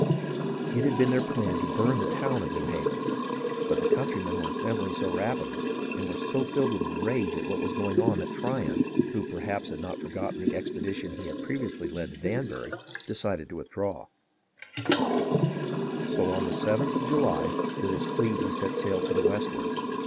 It had been their plan to burn the town of New Haven ; but the countrymen were assembling so rapidly, and were so filled with rage at what was going on, that Tryon, who perhaps had not forgotten the expedition he had previously led to Danbury, decided to withdraw ; so on the 7th of July with his fleet he set sail to the westward.